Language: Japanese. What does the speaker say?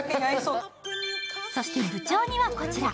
そして部長にはこちら。